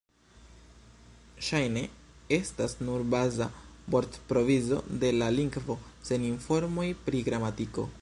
Ŝajne estas nur baza vortprovizo de la lingvo, sen informoj pri gramatiko.